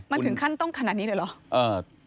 มันถึงขั้นต้องขนาดนี้เลยเหรอ